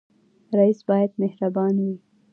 رئیس باید مهربان وي